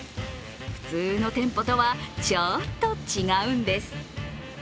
普通の店舗とはちょっと違うんです。